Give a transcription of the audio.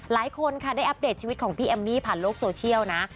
หลายคนค่ะได้อัปเดตชีวิตของพี่เอมมี่ผ่านโลกโซเชียลนะ